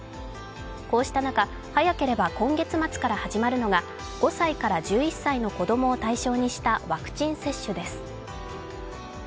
こうした中、早ければ今月末から始まるのが５歳から１１歳の子供を対象にしたワクチン接種です。